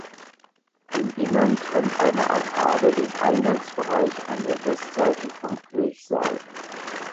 Im Innern trennt eine Arkade den Eingangsbereich an der Westseite vom Kirchsaal.